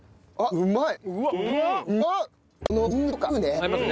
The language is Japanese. うまい！